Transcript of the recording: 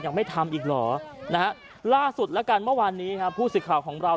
ยังไม่ทำอีกหรอนะฮะล่าสุดละกันเมื่อวานนี้ภูติข่าวของเรา